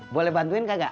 boleh bantuin kagak